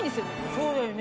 そうだよね。